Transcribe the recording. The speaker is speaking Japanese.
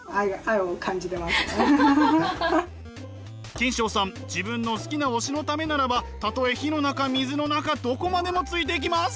キンショウさん自分の好きな推しのためならばたとえ火の中水の中どこまでもついていきます！